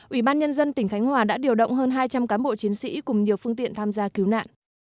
ủy ban nhân dân tỉnh khánh hòa đã điều động hơn hai trăm linh cán bộ chiến sĩ cùng nhiều phương tiện tham gia cứu nạn